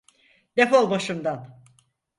Defol başımdan.